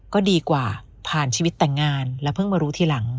ก็ดีกว่าผ่านชีวิตแต่งงานแล้วเพิ่งมารู้ทีหลัง